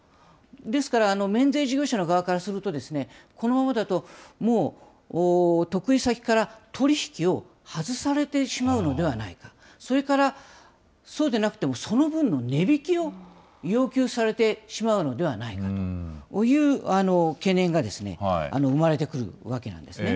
ですから、免税事業者の側からすると、このままだともう得意先から取り引きを外されてしまうのではないか、それからそうでなくても、その分の値引きを要求されてしまうのではないかという懸念が生まれてくるわけなんですね。